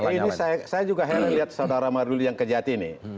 ini saya juga heran lihat saudara marduli yang kejati ini